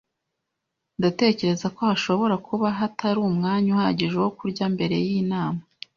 Ndatekereza ko hashobora kuba hatari umwanya uhagije wo kurya mbere yinama.